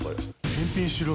「返品しろ」。